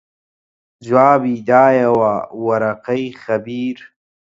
جوابی دایەوە وەرەقەی خەبیر